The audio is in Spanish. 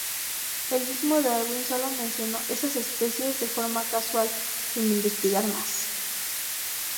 El mismo Darwin solo mencionó esas especies de forma casual, sin investigar más.